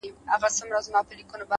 انسان خپل عادتونه بدل کړي؛ ژوند بدلېږي؛